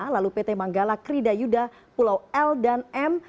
lalu pt manggala kridayuda pulau l dan m